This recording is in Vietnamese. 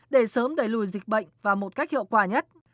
để sớm đẩy lùi dịch bệnh vào một cách hiệu quả nhất